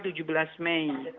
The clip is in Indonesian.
untuk menilai keamanan